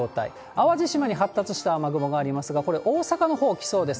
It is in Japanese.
淡路島に発達した雨雲がありますが、これ、大阪のほう来そうです。